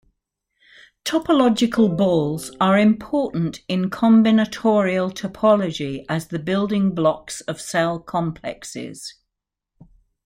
Topological -balls are important in combinatorial topology, as the building blocks of cell complexes.